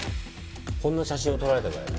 こんな写真を撮られたぐらいだ。